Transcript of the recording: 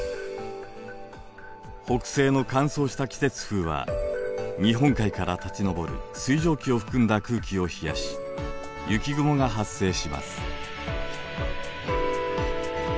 北西の乾燥した季節風は日本海から立ち上る水蒸気を含んだ空気を冷やし雪雲が発生します。